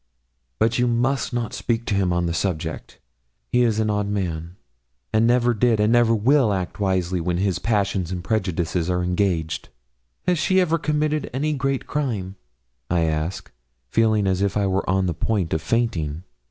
But you must not speak to him on the subject; he's an odd man, and never did and never will act wisely, when his passions and prejudices are engaged.' 'Has she ever committed any great crime?' I asked, feeling as if I were on the point of fainting.